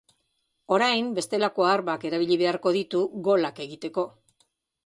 Orain, bestelako armak erabaili beharko ditu golak egiteko.